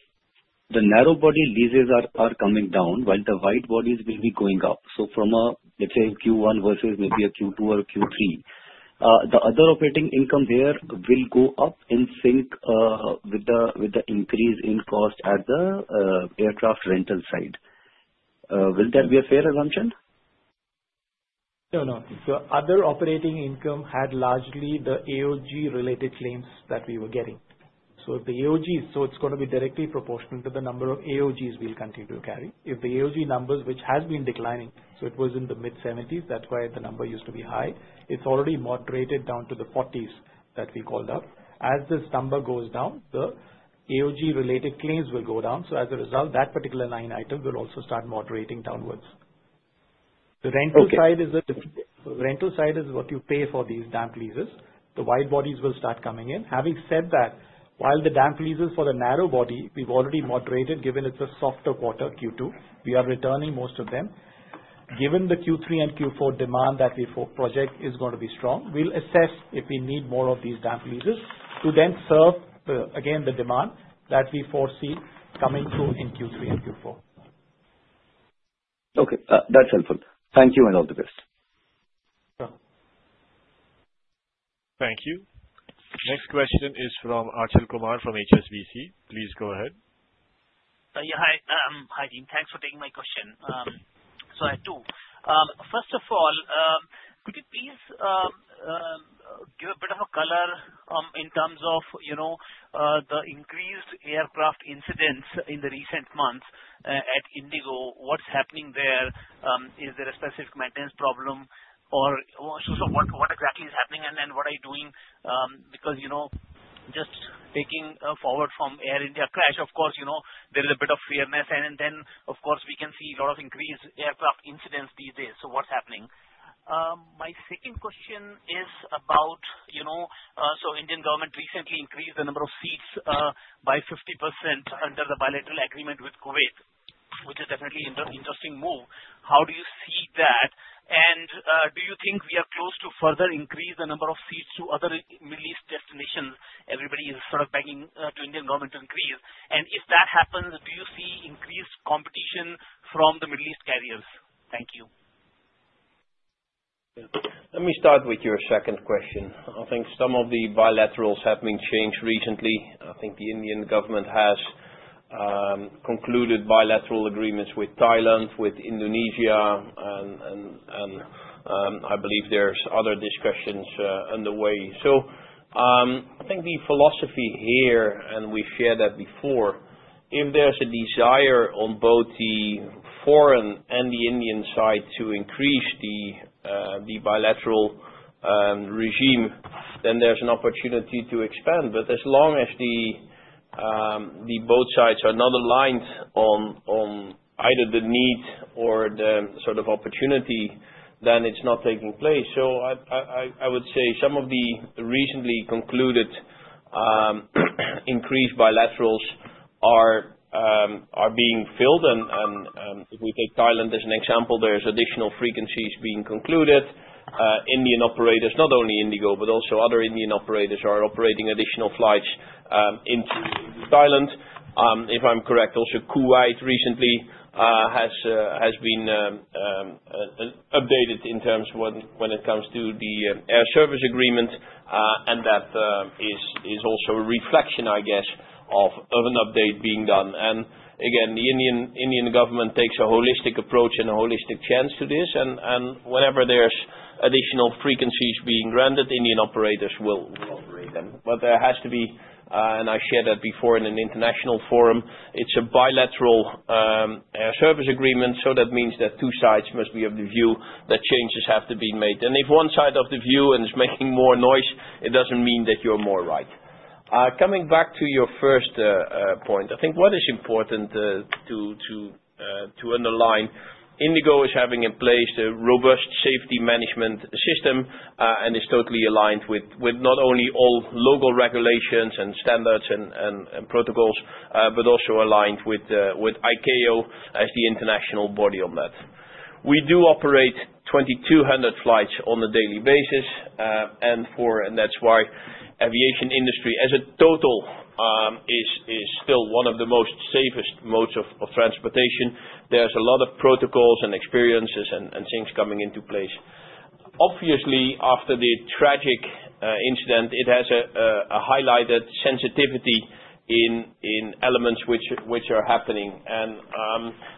narrow-body leases are coming down while the wide bodies will be going up. So from a, let's say, Q1 versus maybe a Q2 or Q3, the other operating income there will go up in sync with the increase in cost at the aircraft rental side. Will that be a fair assumption? No, no. The other operating income had largely the AOG-related claims that we were getting. So the AOG, so it's going to be directly proportional to the number of AOGs we'll continue to carry. If the AOG numbers, which has been declining, so it was in the mid-70s, that's why the number used to be high, it's already moderated down to the 40s that we called up. As this number goes down, the AOG-related claims will go down. So as a result, that particular line item will also start moderating downwards. The rental side is what you pay for these damp leases. The wide bodies will start coming in. Having said that, while the damp leases for the narrow body, we've already moderated, given it's a softer quarter, Q2, we are returning most of them. Given the Q3 and Q4 demand that we project is going to be strong, we'll assess if we need more of these damp leases to then serve, again, the demand that we foresee coming through in Q3 and Q4. Okay. That's helpful. Thank you and all the best. Thank you. Next question is from Achal Kumar from HSBC. Please go ahead. Yeah. Hi. I'm Archal. Thanks for taking my question. So I have two. First of all. Could you please give a bit of a color in terms of the increased aircraft incidents in the recent months at IndiGo, what's happening there? Is there a specific maintenance problem, or what exactly is happening, and then what are you doing? Because just taking forward from Air India crash, of course, there is a bit of weirdness. And then, of course, we can see a lot of increased aircraft incidents these days. So what's happening? My second question is about, so Indian government recently increased the number of seats by 50% under the bilateral agreement with Kuwait, which is definitely an interesting move. How do you see that? And do you think we are close to further increase the number of seats to other Middle East destinations? Everybody is sort of begging the Indian government to increase. And if that happens, do you see increased competition from the Middle East carriers? Thank you. Let me start with your second question. I think some of the bilaterals have been changed recently. I think the Indian government has concluded bilateral agreements with Thailand, with Indonesia, and I believe there's other discussions underway. I think the philosophy here, and we've shared that before, if there's a desire on both the foreign and the Indian side to increase the bilateral regime, then there's an opportunity to expand. As long as both sides are not aligned on either the need or the sort of opportunity, then it's not taking place. I would say some of the recently concluded increased bilaterals are being filled. If we take Thailand as an example, there's additional frequencies being concluded. Indian operators, not only IndiGo, but also other Indian operators are operating additional flights into Thailand. If I'm correct, also Kuwait recently has been updated in terms when it comes to the air service agreement, and that is also a reflection, I guess, of an update being done. Again, the Indian government takes a holistic approach and a holistic chance to this. Whenever there's additional frequencies being rendered, Indian operators will operate them. There has to be, and I shared that before in an international forum, it's a bilateral air service agreement. That means that two sides must be of the view that changes have to be made. If one side of the view is making more noise, it doesn't mean that you're more right. Coming back to your first point, I think what is important to underline, IndiGo is having in place a robust safety management system and is totally aligned with not only all local regulations and standards and protocols, but also aligned with ICAO as the international body on that. We do operate 2,200 flights on a daily basis. That's why aviation industry as a total is still one of the most safest modes of transportation. There's a lot of protocols and experiences and things coming into place. Obviously, after the tragic incident, it has highlighted sensitivity in elements which are happening.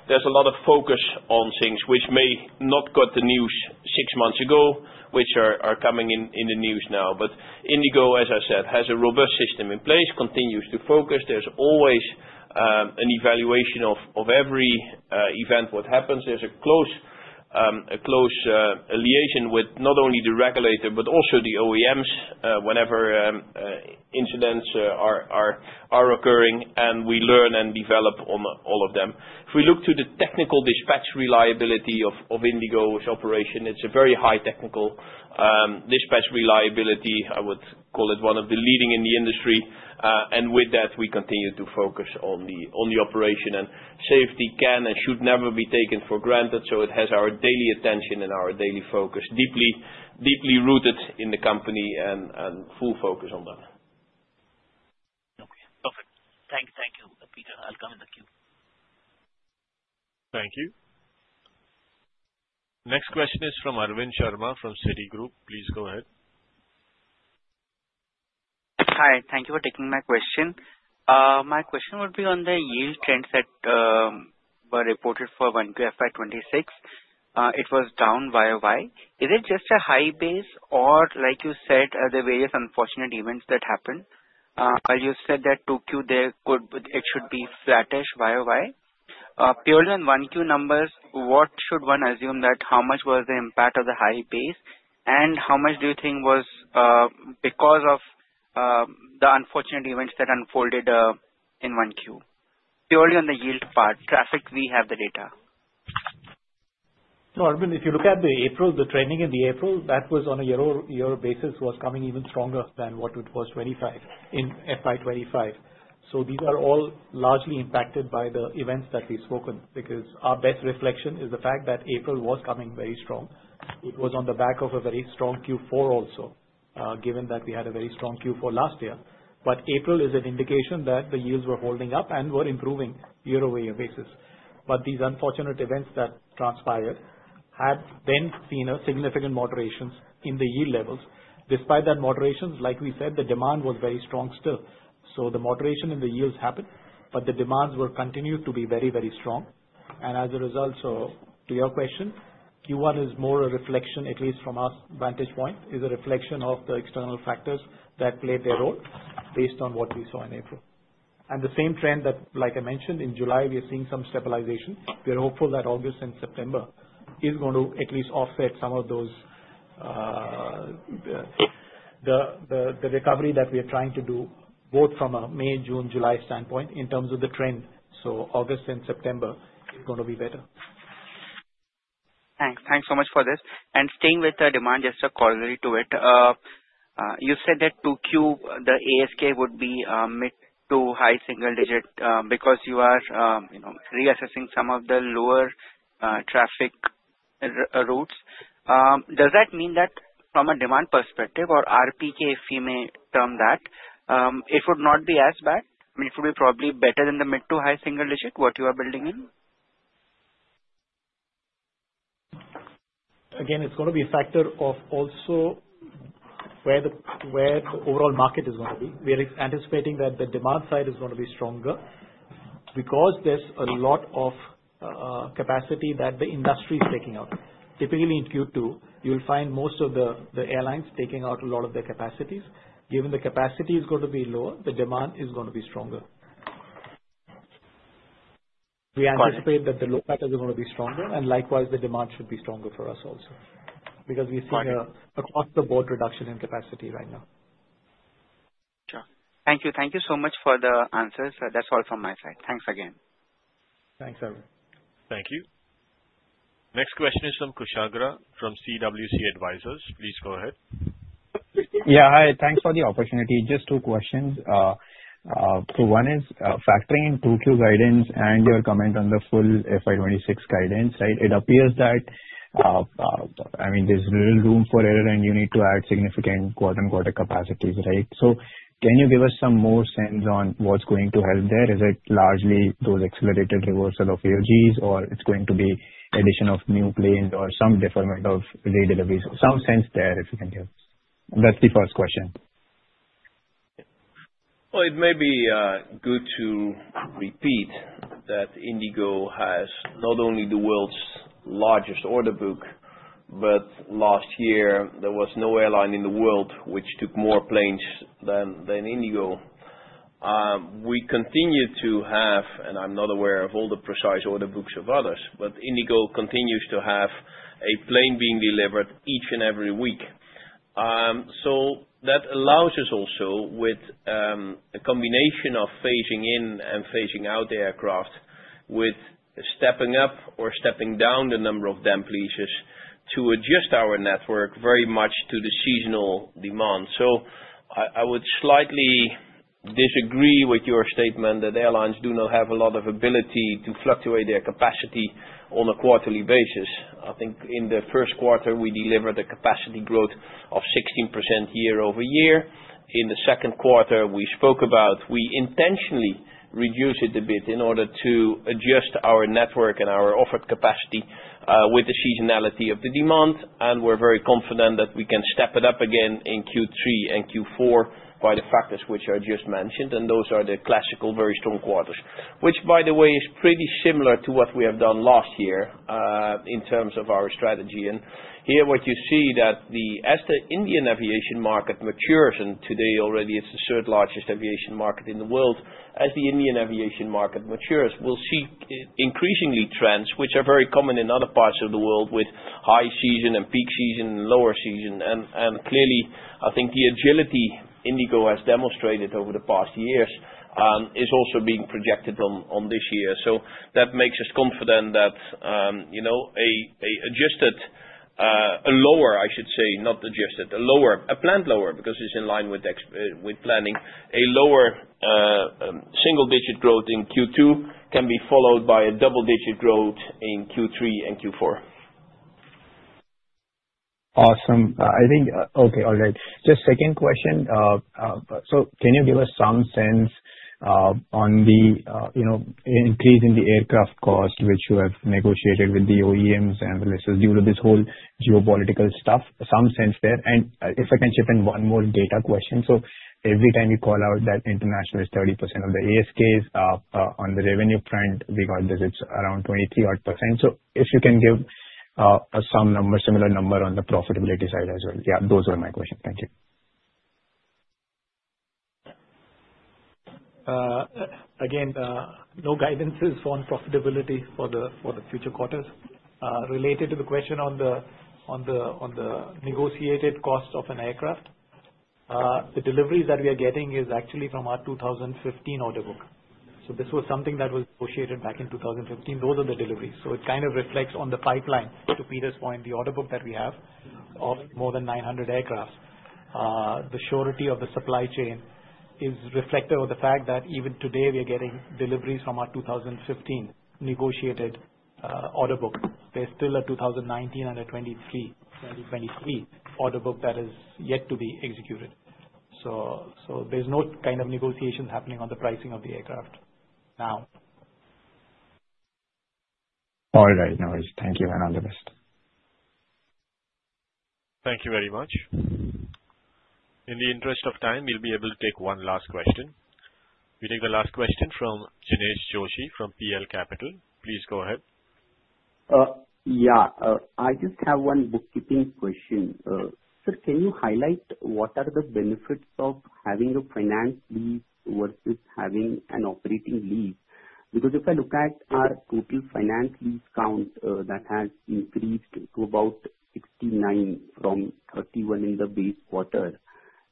There's a lot of focus on things which may not have got the news six months ago, which are coming in the news now. IndiGo, as I said, has a robust system in place, continues to focus. There's always an evaluation of every event, what happens. There's a close allegation with not only the regulator but also the OEMs whenever. Incidents are occurring, and we learn and develop on all of them. If we look to the technical dispatch reliability of IndiGo's operation, it's a very high technical dispatch reliability. I would call it one of the leading in the industry. With that, we continue to focus on the operation. Safety can and should never be taken for granted. It has our daily attention and our daily focus, deeply rooted in the company and full focus on that. Okay. Perfect. Thank you. Thank you, Pieter. I'll come in the queue. Thank you. Next question is from Arvind Sharma from Citigroup. Please go ahead. Hi. Thank you for taking my question. My question would be on the yield trends that were reported for 1QFY26. It was down year-over-year. Is it just a high base? Or like you said, the various unfortunate events that happened, as you said, that 2Q, it should be flattish year-over-year. Purely on 1Q numbers, what should one assume, that how much was the impact of the high base? And how much do you think was because of the unfortunate events that unfolded in 1Q? Purely on the yield part, traffic, we have the data. No, Arvind, if you look at the April, the trend in the April, that was on a year-over-year basis, was coming even stronger than what it was in 2025 in FI25. These are all largely impacted by the events that we've spoken, because our best reflection is the fact that April was coming very strong. It was on the back of a very strong Q4 also, given that we had a very strong Q4 last year. April is an indication that the yields were holding up and were improving year-over-year basis. These unfortunate events that transpired had then seen significant moderations in the yield levels. Despite that moderation, like we said, the demand was very strong still. The moderation in the yields happened, but the demands continued to be very, very strong. To your question, Q1 is more a reflection, at least from our vantage point, is a reflection of the external factors that played their role based on what we saw in April. The same trend that, like I mentioned, in July, we are seeing some stabilization. We are hopeful that August and September are going to at least offset some of those. The recovery that we are trying to do, both from a May, June, July standpoint in terms of the trend. August and September are going to be better. Thanks. Thanks so much for this. Staying with the demand, just a corollary to it. You said that 2Q, the ASK would be mid to high single-digit because you are reassessing some of the lower traffic routes. Does that mean that from a demand perspective or RPK, if we may term that, it would not be as bad? I mean, it would be probably better than the mid to high single-digit, what you are building in? Again, it's going to be a factor of also where the overall market is going to be. We are anticipating that the demand side is going to be stronger because there's a lot of capacity that the industry is taking out. Typically, in Q2, you'll find most of the airlines taking out a lot of their capacities. Given the capacity is going to be lower, the demand is going to be stronger. We anticipate that the load factors are going to be stronger, and likewise, the demand should be stronger for us also because we're seeing across-the-board reduction in capacity right now. Sure. Thank you. Thank you so much for the answers. That's all from my side. Thanks again. Thanks, Arvind. Thank you. Next question is from Kushagra from CWC Advisors. Please go ahead. Yeah. Hi. Thanks for the opportunity. Just two questions. One is factoring in 2Q guidance and your comment on the full FY26 guidance, right? It appears that, I mean, there's little room for error, and you need to add significant "capacities," right? Can you give us some more sense on what's going to help there? Is it largely those accelerated reversal of AOGs, or it's going to be addition of new planes or some deferment of re-deliveries? Some sense there, if you can give. That's the first question. IndiGo has not only the world's largest order book, but last year, there was no airline in the world which took more planes than IndiGo. We continue to have, and I'm not aware of all the precise order books of others, but IndiGo continues to have a plane being delivered each and every week. That allows us also, with a combination of phasing in and phasing out aircraft, with stepping up or stepping down the number of damp leases to adjust our network very much to the seasonal demand. I would slightly disagree with your statement that airlines do not have a lot of ability to fluctuate their capacity on a quarterly basis. I think in the first quarter, we delivered a capacity growth of 16% year-over-year. In the second quarter, we spoke about we intentionally reduced it a bit in order to adjust our network and our offered capacity with the seasonality of the demand. We are very confident that we can step it up again in Q3 and Q4 by the factors which are just mentioned. Those are the classical very strong quarters, which, by the way, is pretty similar to what we have done last year in terms of our strategy. Here, what you see is that as the Indian aviation market matures, and today, already, it is the third-largest aviation market in the world, as the Indian aviation market matures, we will see increasingly trends which are very common in other parts of the world with high season and peak season and lower season. Clearly, I think the agility IndiGo has demonstrated over the past years is also being projected on this year. That makes us confident that a lower, I should say, not adjusted, a lower, a planned lower because it is in line with planning, a lower single-digit growth in Q2 can be followed by a double-digit growth in Q3 and Q4. Awesome. I think, okay, all right. Just second question. Can you give us some sense on the increase in the aircraft cost, which you have negotiated with the OEMs, and this is due to this whole geopolitical stuff, some sense there? If I can chip in one more data question. Every time you call out that international is 30% of the ASKs, on the revenue front, we got visits around 23% odd. If you can give a similar number on the profitability side as well. Yeah, those are my questions. Thank you. Again, no guidances on profitability for the future quarters. Related to the question on the negotiated cost of an aircraft, the deliveries that we are getting is actually from our 2015 order book. This was something that was negotiated back in 2015. Those are the deliveries. It kind of reflects on the pipeline. To Pieter's point, the order book that we have of more than 900 aircraft, the surety of the supply chain is reflective of the fact that even today, we are getting deliveries from our 2015 negotiated order book. There is still a 2019 and a 2023 order book that has yet to be executed. There is no kind of negotiation happening on the pricing of the aircraft now. All right, Arvind. Thank you, and all the best. Thank you very much. In the interest of time, we will be able to take one last question. We take the last question from Jinesh Joshi from PL Capital. Please go ahead. Yeah. I just have one bookkeeping question. Sir, can you highlight what are the benefits of having a finance lease versus having an operating lease? Because if I look at our total finance lease count, that has increased to about 69 from 31 in the base quarter.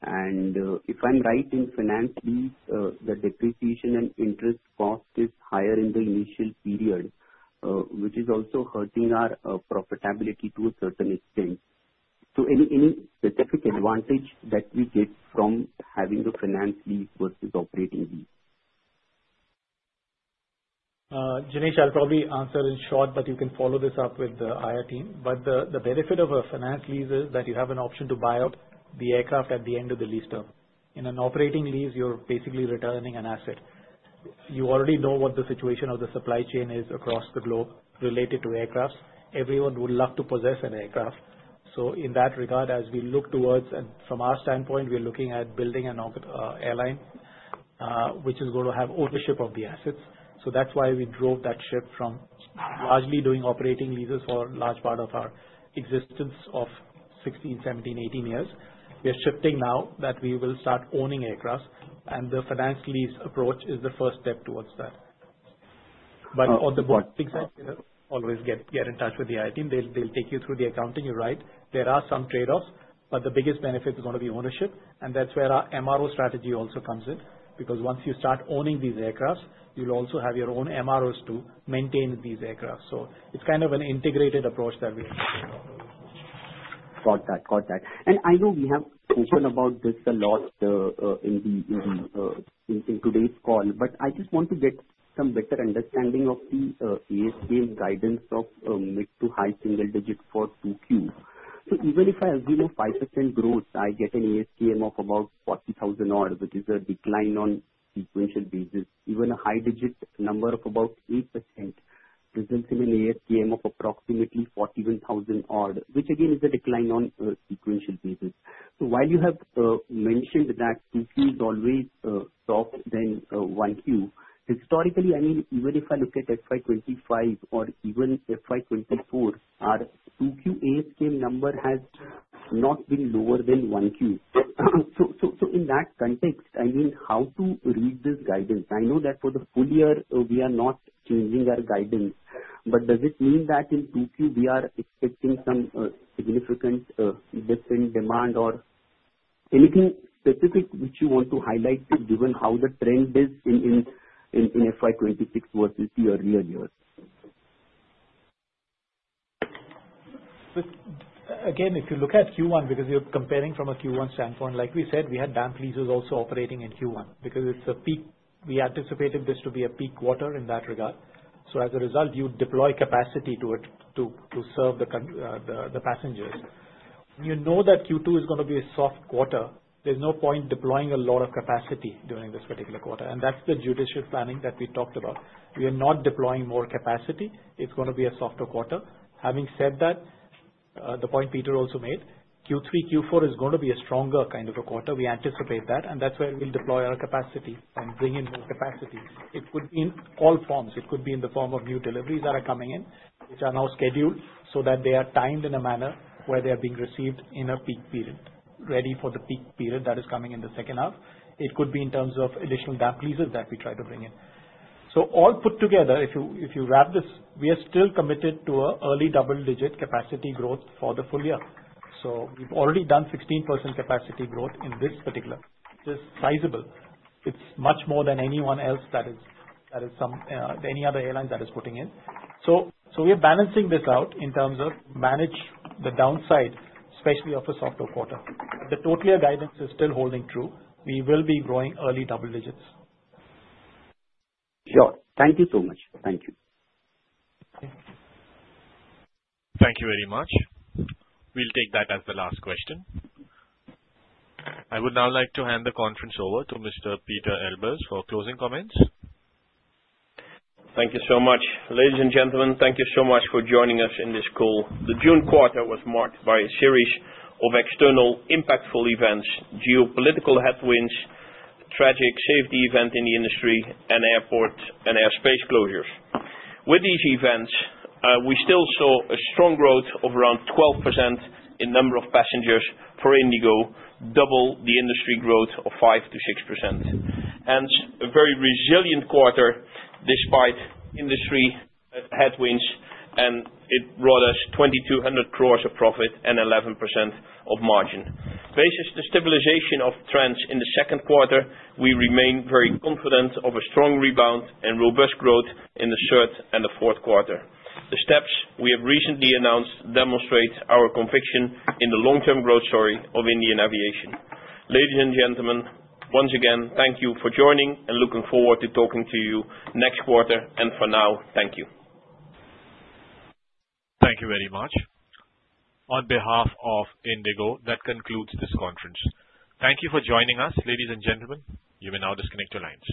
And if I'm right in finance lease, the depreciation and interest cost is higher in the initial period. Which is also hurting our profitability to a certain extent. Any specific advantage that we get from having a finance lease versus operating lease? Jinesh, I'll probably answer in short, but you can follow this up with the IR team. The benefit of a finance lease is that you have an option to buy out the aircraft at the end of the lease term. In an operating lease, you're basically returning an asset. You already know what the situation of the supply chain is across the globe related to aircraft. Everyone would love to possess an aircraft. In that regard, as we look towards and from our standpoint, we're looking at building an airline which is going to have ownership of the assets. That's why we drove that shift from largely doing operating leases for a large part of our existence of 16, 17, 18 years. We are shifting now that we will start owning aircraft. The finance lease approach is the first step towards that. On the book executive, always get in touch with the IR team. They'll take you through the accounting. You're right. There are some trade-offs, but the biggest benefit is going to be ownership. That's where our MRO strategy also comes in because once you start owning these aircraft, you'll also have your own MROs to maintain these aircraft. It's kind of an integrated approach that we're taking now. Got that. Got that. I know we have mentioned about this a lot in today's call, but I just want to get some better understanding of the ASK guidance of mid to high single-digit for 2Q. Even if I assume a 5% growth, I get an ASK of about 40,000 odd, which is a decline on sequential basis. Even a high-digit number of about 8% results in an ASK of approximately 41,000 odd, which again is a decline on sequential basis. While you have mentioned that 2Q is always soft than 1Q, historically, I mean, even if I look at 2025 or even 2024, our 2Q ASK number has not been lower than 1Q. In that context, I mean, how to read this guidance? I know that for the full year, we are not changing our guidance, but does it mean that in 2Q, we are expecting some significant different demand or. Anything specific which you want to highlight given how the trend is in. FY26 versus the earlier years? Again, if you look at Q1, because you're comparing from a Q1 standpoint, like we said, we had damp leases also operating in Q1 because it's a peak. We anticipated this to be a peak quarter in that regard. As a result, you deploy capacity to. Serve the. Passengers. You know that Q2 is going to be a soft quarter. There's no point deploying a lot of capacity during this particular quarter. That's the judicious planning that we talked about. We are not deploying more capacity. It's going to be a softer quarter. Having said that. The point Pieter also made, Q3, Q4 is going to be a stronger kind of a quarter. We anticipate that. That's where we'll deploy our capacity and bring in more capacity. It could be in all forms. It could be in the form of new deliveries that are coming in, which are now scheduled so that they are timed in a manner where they are being received in a peak period, ready for the peak period that is coming in the second half. It could be in terms of additional damp leases that we try to bring in. All put together, if you wrap this, we are still committed to an early double-digit capacity growth for the full year. We've already done 16% capacity growth in this particular. It is sizable. It's much more than anyone else that is. Any other airline that is putting in. We are balancing this out in terms of manage the downside, especially of a softer quarter. The total year guidance is still holding true. We will be growing early double digits. Sure. Thank you so much. Thank you. Thank you very much. We'll take that as the last question. I would now like to hand the conference over to Mr. Pieter Elbers for closing comments. Thank you so much. Ladies and gentlemen, thank you so much for joining us in this call. The June quarter was marked by a series of external impactful events, geopolitical headwinds, tragic safety events in the industry, and airport and airspace closures. With these events, we still saw a strong growth of around 12% in number of passengers for IndiGo, double the industry growth of 5-6%. Hence, a very resilient quarter despite industry headwinds, and it brought us 2,200 crore of profit and 11% of margin. Based on the stabilization of trends in the second quarter, we remain very confident of a strong rebound and robust growth in the third and the fourth quarter. The steps we have recently announced demonstrate our conviction in the long-term growth story of Indian aviation. Ladies and gentlemen, once again, thank you for joining and looking forward to talking to you next quarter. For now, thank you. Thank you very much. On behalf of IndiGo, that concludes this conference. Thank you for joining us, ladies and gentlemen. You may now disconnect your lines.